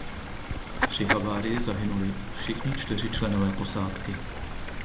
Při havárii zahynuli všichni čtyři členové posádky.